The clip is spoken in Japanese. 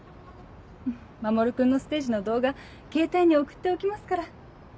守君のステージの動画ケータイに送っておきますから。